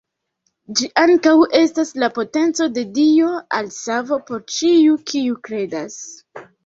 Ĝi ankaŭ estas la potenco de Dio al savo por ĉiu, kiu kredas.